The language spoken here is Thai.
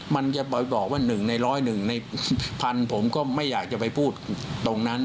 มันจะบอกว่าหนึ่งในร้อยหนึ่งในพันผมก็ไม่อยากจะไปพูดตรงนั้น